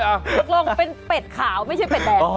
ตกลงเป็นเป็ดขาวไม่ใช่เป็ดแดง